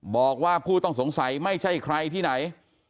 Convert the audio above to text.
บอกว่าผู้ต้องสงสัยไม่ใช่ใครที่ไหน